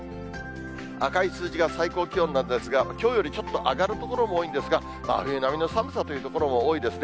赤い数字が最高気温なんですが、きょうよりちょっと上がる所も多いんですが、真冬並みの寒さという所も多いですね。